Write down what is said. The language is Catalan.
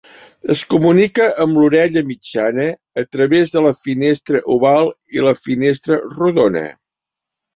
Es comunica amb l'orella mitjana a través de la finestra oval i la finestra rodona.